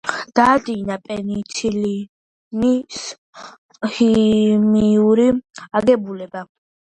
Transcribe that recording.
დაადგინა პენიცილინის ქიმიური აგებულება.